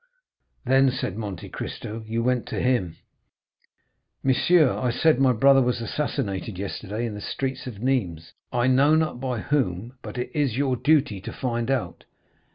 "Then," said Monte Cristo "you went to him?" "'Monsieur,' I said, 'my brother was assassinated yesterday in the streets of Nîmes, I know not by whom, but it is your duty to find out.